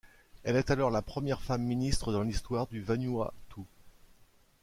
Elle est alors la première femme ministre dans l'histoire du Vanuatu.